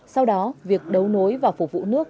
sau đó việc đấu nối và phục vụ nước